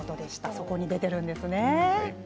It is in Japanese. そこに出ているんですね。